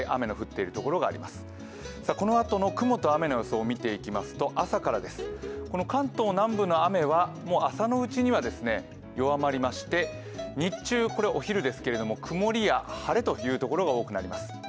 このあとの雲と雨の予想を見ていきますと、朝から関東南部の雨は朝のうちは弱まりまして、日中、これお昼ですけれども曇りや晴れという所が多くなります。